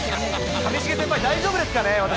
上重先輩、大丈夫ですかね、私。